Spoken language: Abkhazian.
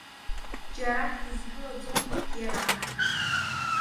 Џьарак дызгылаӡомызт иара.